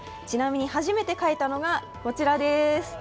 ちなみに初めて描いたのが、こちらです。